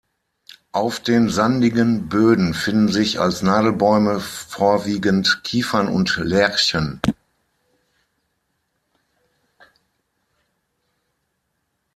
Auf den sandigen Böden finden sich als Nadelbäume vorwiegend Kiefern und Lärchen.